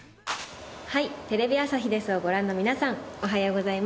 『はい！テレビ朝日です』をご覧の皆さんおはようございます。